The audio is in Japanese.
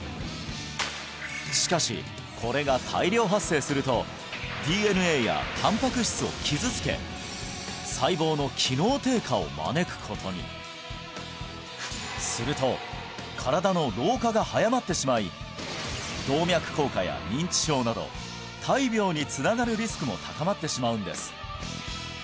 しかしこれが大量発生するとＤＮＡやたんぱく質を傷つけを招くことにすると身体の老化が早まってしまい動脈硬化や認知症など大病につながるリスクも高まってしまうんです